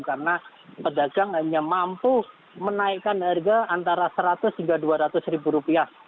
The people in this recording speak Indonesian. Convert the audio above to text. karena pedagang hanya mampu menaikkan harga antara seratus hingga dua ratus ribu rupiah